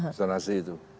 misalnya seperti itu